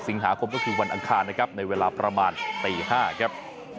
สิงหาคมก็คือวันอังคารนะครับในเวลาประมาณตี๕ครับ